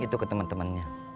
itu ke temen temennya